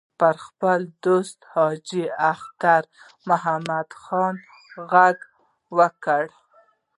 پر خپل دوست حاجي اختر محمد خان غږ وکړ.